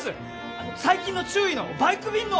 あの「最近の注意」のバイク便の！